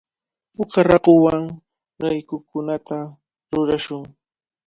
Puka raakuwan ruyrukunata rurashun.